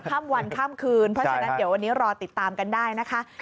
ข้ามวันข้ามคืนเพราะฉะนั้นเดี๋ยววันนี้รอติดตามกันได้นะคะ